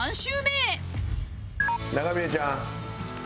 長嶺ちゃん。